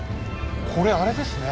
これあれですね。